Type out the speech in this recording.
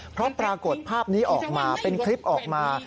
เพราะปรากฏภาพนี้ออกมาเป็นคลิปออกมา